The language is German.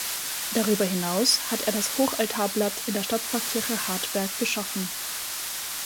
Darüber hinaus hat er das Hochaltarblatt in der Stadtpfarrkirche Hartberg geschaffen.